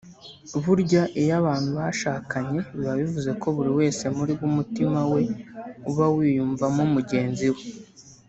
Burya iyo abantu bashakanye biba bivuze ko buri wese muri bo umutima we uba wiyumvamo mugenzi we